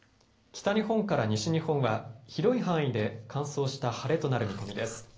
北日本から西日本は広い範囲で乾燥した晴れとなる見込みです。